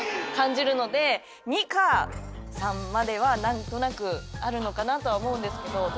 感じるので２か３までは何となくあるのかなとは思うんですけど。